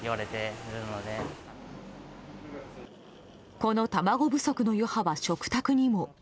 この卵不足の余波は食卓にも。